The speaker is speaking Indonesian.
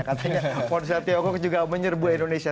katanya ponsel tiongkok juga menyerbu indonesia